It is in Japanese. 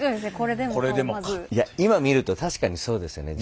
いや今見ると確かにそうですよね。